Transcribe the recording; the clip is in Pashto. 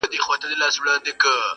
د اتڼ صف، ته وا د سقاط په دایرې بدل دی